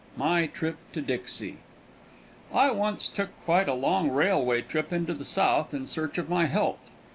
MY TRIP TO DIXIE XXIV I once took quite a long railway trip into the South in search of my health.